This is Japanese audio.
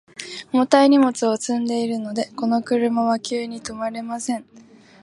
重たい荷物を積んでいるので、この車は急に止まれません。